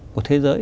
của thế giới